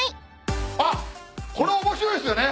あっこれ面白いっすよね。